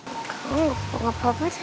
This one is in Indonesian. kamu gak apa apa sih